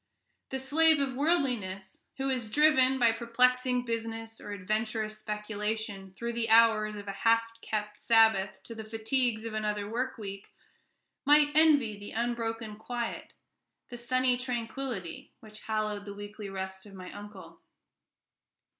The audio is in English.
The slave of worldliness, who is driven, by perplexing business or adventurous speculation, through the hours of a half kept Sabbath to the fatigues of another week, might envy the unbroken quiet, the sunny tranquillity, which hallowed the weekly rest of my uncle.